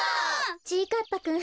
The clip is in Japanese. ちぃかっぱくん。